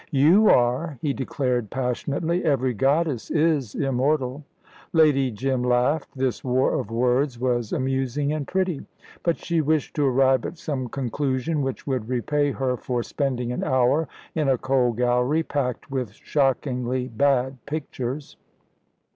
"You are," he declared passionately; "every goddess is immortal." Lady Jim laughed. This war of words was amusing and pretty, but she wished to arrive at some conclusion which would repay her for spending an hour in a cold gallery, packed with shockingly bad pictures.